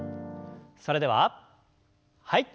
それでははい。